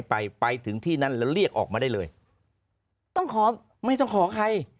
ไปไปถึงที่นั้นแล้วเรียกออกมาได้เลยต้องขอไม่ต้องขอใคร